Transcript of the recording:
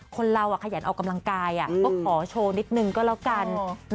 คนเราขยันออกกำลังกายก็ขอโชว์นิดนึงก็แล้วกัน